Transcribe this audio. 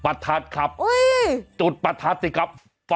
ปัดทัดคับจุดปัดทัดสิครับ